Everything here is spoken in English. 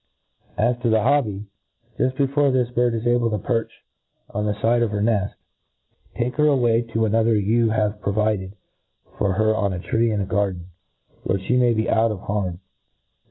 A s to the hobby ; juft before this bird is able to perch on the fide of her neft, take* her away to another you have provided for her on a tree in a garden, where (he may be out of harm.